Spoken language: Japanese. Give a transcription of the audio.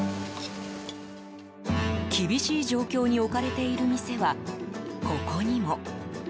厳しい状況に置かれている店はここにも。